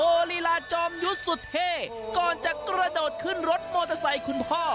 ลีลาจอมยุทธ์สุเทก่อนจะกระโดดขึ้นรถมอเตอร์ไซค์คุณพ่อ